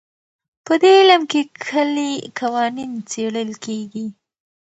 په دې علم کې کلي قوانین څېړل کېږي.